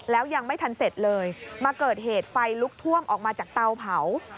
แล้วยังไม่ทันเสร็จเลยมาเกิดเหตุไฟลุกท่วมออกมาจากเตาเผา